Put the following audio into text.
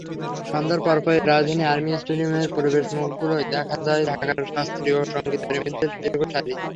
সন্ধ্যার পরপরই রাজধানীর আর্মি স্টেডিয়ামের প্রবেশমুখগুলোয় দেখা যায় ঢাকার শাস্ত্রীয় সংগীতপ্রেমীদের দীর্ঘ সারি।